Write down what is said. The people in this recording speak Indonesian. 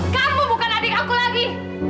kamu bukan adik aku lagi